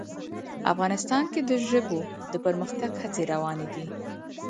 افغانستان کې د ژبو د پرمختګ هڅې روانې دي.